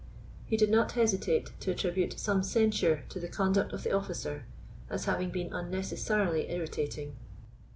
He did not hesitate to attribute some censure to the conduct of the officer, as having been unnecessarily irritating.